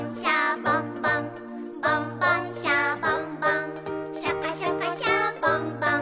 「ボンボン・シャボン・ボンシャカシャカ・シャボン・ボン」